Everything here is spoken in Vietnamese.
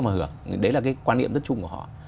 mà hưởng đấy là cái quan niệm rất chung của họ